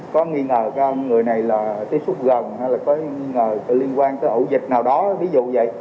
có nghi ngờ người này là tiêu xuất gần hay là có nghi ngờ liên quan tới ổ dịch nào đó ví dụ vậy